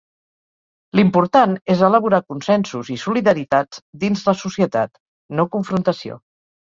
L'important és elaborar consensos i solidaritats dins la societat, no confrontació.